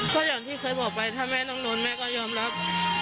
ก็อย่างที่เคยบอกไปถ้าแม่ต้องโดนแม่ก็ยอมรับ